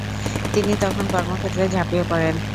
তিনি তখন কর্মক্ষেত্রে ঝাপিয়ে পড়েন।